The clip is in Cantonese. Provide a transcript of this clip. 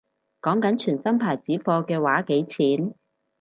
講緊全新牌子貨嘅話幾錢